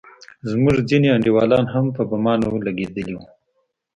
زموږ ځينې انډيولان هم په بمانو لگېدلي وو.